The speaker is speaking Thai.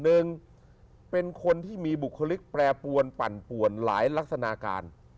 หนึ่งเป็นคนที่มีบุคลิกแปรปวนปั่นป่วนหลายลักษณะการ